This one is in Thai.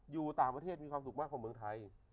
อยู่ต่างประเทศมีความสุขมากกว่าเมืองไทย